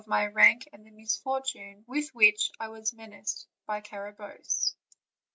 my rank and the misfortune with which I was menaced by Carabosse."